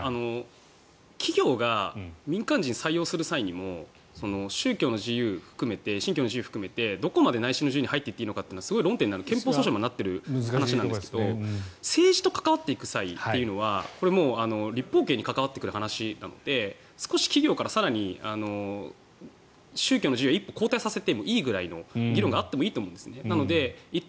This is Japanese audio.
企業が民間人を採用する際にも信教の自由含めてどこまで内心の自由に入っていっていいのかというのはすごい論点になる憲法訴訟にもなっている話なんですが政治と関わっていく際というのはこれはもう立法権に関わってくる話なので少し企業から更に宗教の自由は一歩後退させてもいいぐらいの議論はあってもいいと思うんですね。